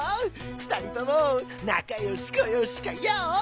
ふたりともなかよしこよしかヨー？